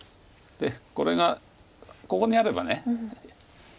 でこれがここにあれば。